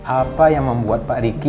apa yang membuat pak riki